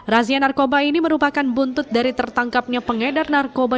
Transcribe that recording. razia narkoba ini merupakan buntut dari tertangkapnya pengedar narkoba